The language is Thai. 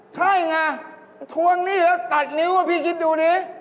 ใช่ไงทวงหนี้แล้วตัดนิ้วพี่คิดดูดิ